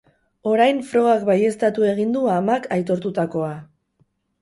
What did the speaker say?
Orain, frogak baieztatu egin du amak aitortutakoa.